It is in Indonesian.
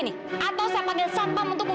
udah salah sekali berlaku